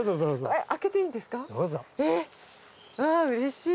わあうれしい。